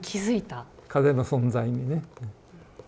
風の存在にね。